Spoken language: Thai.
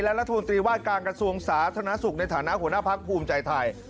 และรัฐมนตรีวาดกลางกระทรวงศาสตร์ธนสุขในฐานะหัวหน้าภักดิ์ภูมิใจไทย